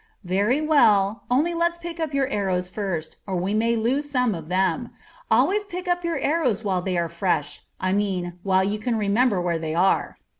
"Very well; only let's pick up your arrows first, or we may lose some of them. Always pick up your arrows while they are fresh I mean, while you can remember where they are."